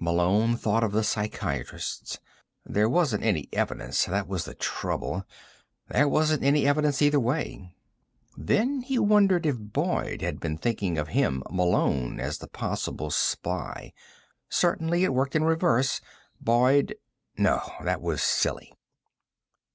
Malone thought of the psychiatrists. There wasn't any evidence, that was the trouble. There wasn't any evidence either way. Then he wondered if Boyd had been thinking of him, Malone, as the possible spy. Certainly it worked in reverse. Boyd No. That was silly.